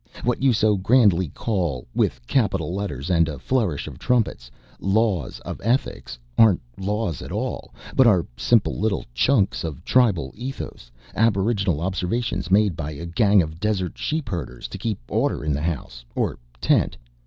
What you so grandly call with capital letters and a flourish of trumpets 'Laws of Ethics' aren't laws at all, but are simple little chunks of tribal ethos, aboriginal observations made by a gang of desert sheepherders to keep order in the house or tent.